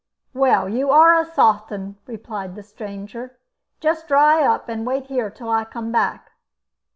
"Well, you are a soft 'un," replied the stranger. "Just dry up and wait here till I come back."